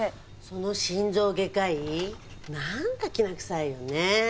その心臓外科医なんかきな臭いよね。